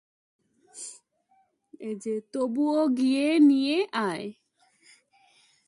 তবুও, গিয়ে নিয়ে আয়!